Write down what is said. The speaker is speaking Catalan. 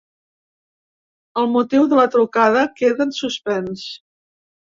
El motiu de la trucada queda en suspens.